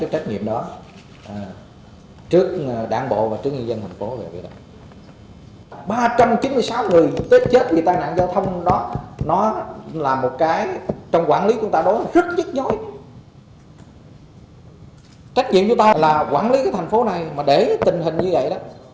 trách nhiệm chúng ta là quản lý thành phố này mà để tình hình như vậy đó